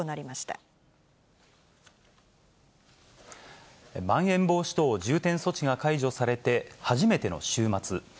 まん延防止等重点措置が解除されて、初めての週末。